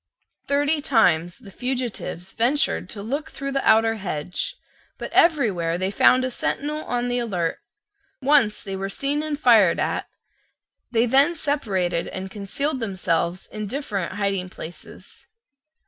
Thirty times the fugitives ventured to look through the outer hedge: but everywhere they found a sentinel on the alert: once they were seen and fired at; they then separated and concealed themselves in different hiding places.